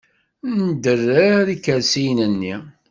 Nderrer ikersiyen-nni.